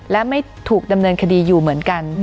และไม่ถูกดำเนินคดีอยู่เหมือนกัน